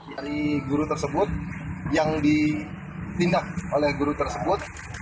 dari guru tersebut yang ditindak oleh guru tersebut